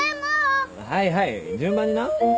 はいはい順番にな。